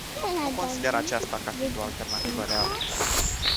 Nu consider aceasta ca fiind o alternativă reală.